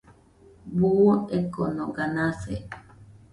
Buu ekonoga nase